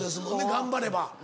頑張れば。